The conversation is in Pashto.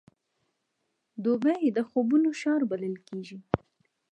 دوبی د خوبونو ښار بلل کېږي.